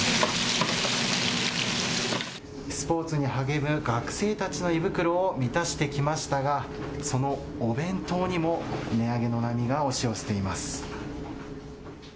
スポーツに励む学生たちの胃袋を満たしてきましたがそのお弁当にも値上げの波が押し寄せています。